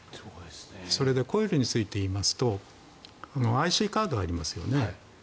それでコイルについて言いますとＩＣカードがありますよね